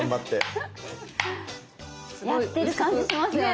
やってる感じしますよね。ね。